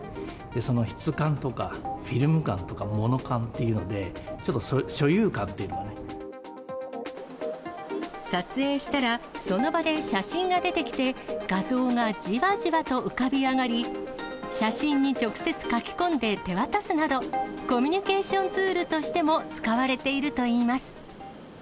その質感とかフィルム感とかもの感っていうので、ちょっと所有感撮影したら、その場で写真が出てきて、画像がじわじわと浮かび上がり、写真に直接書き込んで手渡すなど、コミュニケーションツールとしても使われているといいます。